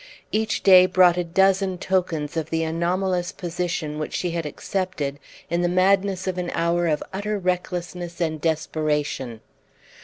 Each day brought a dozen tokens of the anomalous position which she had accepted in the madness of an hour of utter recklessness and desperation.